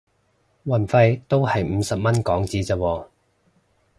運費都係五十蚊港紙咋喎